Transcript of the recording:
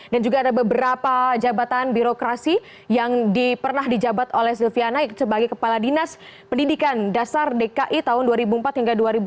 dan juga ada beberapa jabatan birokrasi yang pernah dijabat oleh silviana sebagai kepala dinas pendidikan dasar dki tahun dua ribu empat hingga dua ribu delapan